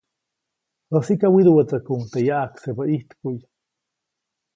Jäsiʼka widuʼwätsäjkuʼuŋ teʼ yaʼaksebä ijtkuʼy.